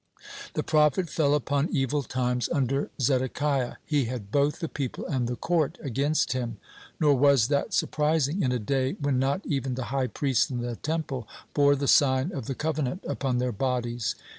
(15) The prophet fell upon evil times under Zedekiah. He had both the people and the court against him. Nor was that surprising in a day when not even the high priests in the Temple bore the sign of the covenant upon their bodies.